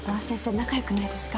仲良くないですか？